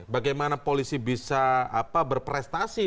bagaimana polisi bisa berprestasi